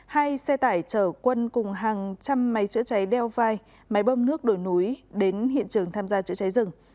hai xe tải chở quân cùng hàng trăm máy chữa cháy đeo vai máy bơm nước đổi núi đến hiện trường tham gia chữa cháy rừng